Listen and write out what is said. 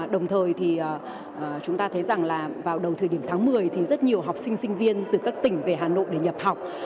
đồng thời thì chúng ta thấy rằng là vào đầu thời điểm tháng một mươi thì rất nhiều học sinh sinh viên từ các tỉnh về hà nội để nhập học